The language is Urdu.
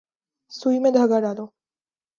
سوئی میں دھاگہ ڈالو۔